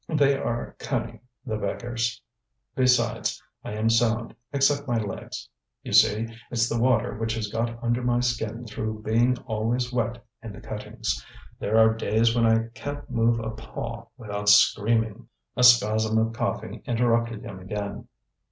They are cunning, the beggars. Besides, I am sound, except my legs. You see, it's the water which has got under my skin through being always wet in the cuttings. There are days when I can't move a paw without screaming." A spasm of coughing interrupted him again.